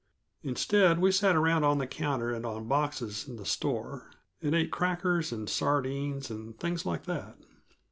Instead, we sat around on the counter and on boxes in the store, and ate crackers and sardines and things like that.